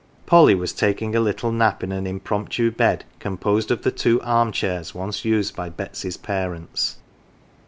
Polly was taking a little nap in an impromptu bed composed of the two arm chairs once used by Betsy's parents.